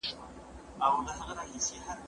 هغه وويل چي فکر ضروري دی